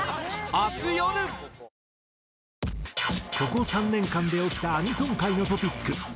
ここ３年間で起きたアニソン界のトピック。